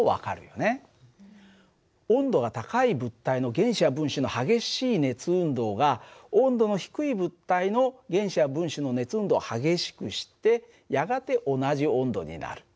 温度が高い物体の原子や分子の激しい熱運動が温度の低い物体の原子や分子の熱運動を激しくしてやがて同じ温度になる。